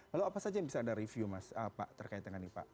lalu apa saja yang bisa anda review mas terkait dengan ini pak